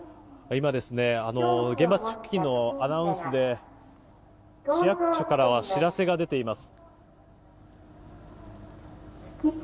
今、現場付近のアナウンスで市役所からは知らせが出ています。